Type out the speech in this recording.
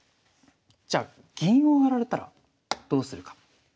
じゃあ銀を上がられたらどうするか。